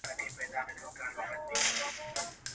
د خپل بخت په سباوون کي پر آذان غزل لیکمه٫